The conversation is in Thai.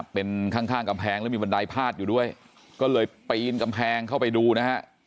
เป็นข้างข้างกำแพงแล้วมีบันไดพาดอยู่ด้วยก็เลยปีนกำแพงเข้าไปดูนะฮะ